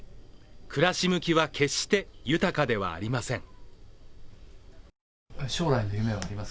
暮らし向きは決して豊かではありません。